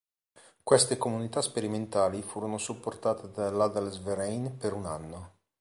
Queste comunità sperimentali furono supportate dall'Adelsverein per un anno.